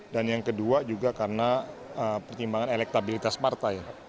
dan yang kedua juga karena pertimbangan elektabilitas partai